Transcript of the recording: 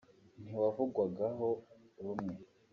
ntiwavugwagaho rumwe